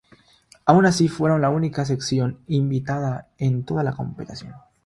Aun así, fueron la única selección invicta en toda la competición.